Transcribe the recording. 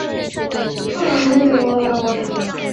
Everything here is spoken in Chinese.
波特曼广场。